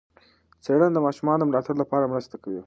څېړنه د ماشومانو د ملاتړ لپاره مرسته کوي.